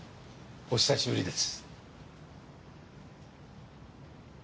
お久しぶりです。